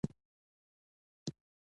دوی برسېرن تحلیلونه وړاندې کوي